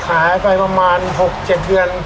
ขายไปประมาณประมาณหลัง๖๗เดือน